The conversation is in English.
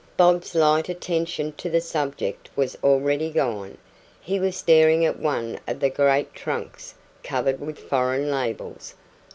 Bob's light attention to the subject was already gone. He was staring at one of the great trunks covered with foreign labels.